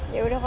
ya udah meka